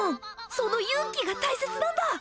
その勇気が大切なんだ！